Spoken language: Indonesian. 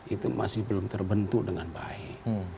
itu masih belum terbentuk dengan baik